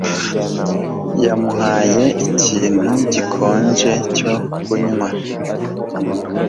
yamuhaye ikintu gikonje cyo kunywa